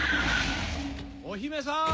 お姫さん！